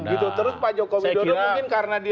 gitu terus pak jokowi dodo mungkin karena dia